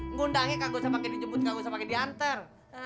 ngundangnya nggak usah pakai dijemput gak usah pakai diantar